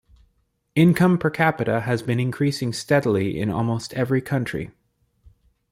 Income per capita has been increasing steadily in almost every country.